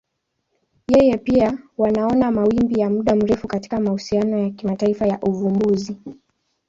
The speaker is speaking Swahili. Yeye pia wanaona mawimbi ya muda mrefu katika mahusiano ya kimataifa ya uvumbuzi.